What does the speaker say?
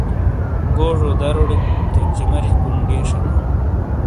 گوجو داروڑے تو چِماریئے کُنڈیئے شینا۔